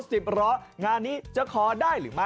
พี่รถสิบล้อนนี่อย่างกับนักดนตรงนักดนตรีที่อยู่บนเวที